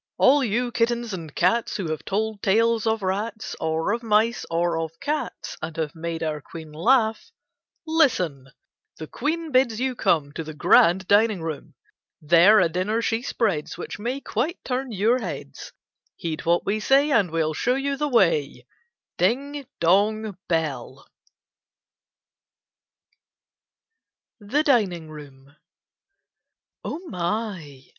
All you kittens and cats who have told tales of rats, or of mice, or of cats, and have made our Queen laugh, listen! The Queen bids you come to the grand dining room. There a dinner she spreads which may quite turn your heads. Heed what we say and we '11 show you the way. Ding, dong, bell ! 72 KITTENS AOT) OATS THE DINING KOOM Oil my